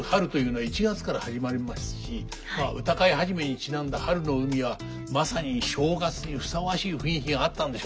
歌会始にちなんだ「春の海」はまさに正月にふさわしい雰囲気があったんでしょうね。